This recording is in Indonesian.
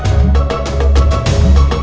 dot dot dot buka dot buka dot